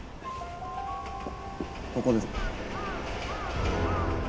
ここです。